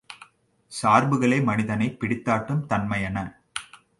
சார்புகளே மனிதனைப் பிடித்தாட்டும் தன்மையன.